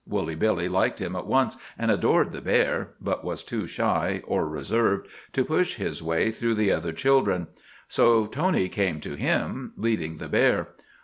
Woolly Billy liked him at once, and adored the bear, but was too shy, or reserved, to push his way through the other children. So Tony came to him, leading the bear.